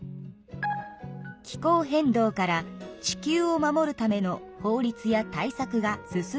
気候変動から地球を守るための法律や対策が進んでいないこと。